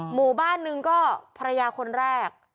หมู่บ้านหนึ่งก็ภรรยาคนแรก